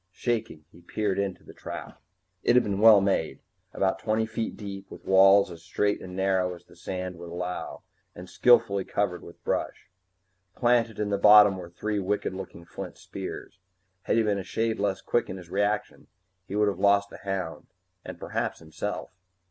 Shaking, he peered into the trap. It had been well made about twenty feet deep, with walls as straight and narrow as the sand would allow, and skillfully covered with brush. Planted in the bottom were three wicked looking flint spears. Had he been a shade less quick in his reactions, he would have lost the hound and perhaps himself.